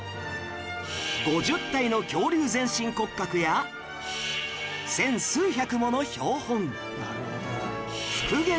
５０体の恐竜全身骨格や千数百もの標本復元